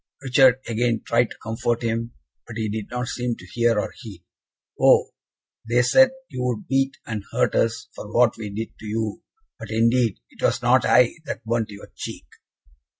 Richard again tried to comfort him, but he did not seem to hear or heed. "Oh! they said you would beat and hurt us for what we did to you! but, indeed, it was not I that burnt your cheek!"